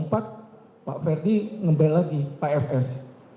pak ferdi ngebel lagi pak fs